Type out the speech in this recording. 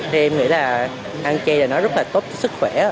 thì em nghĩ là ăn chay là nó rất là tốt cho sức khỏe